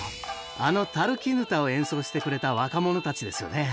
あの「砧」を演奏してくれた若者たちですよね。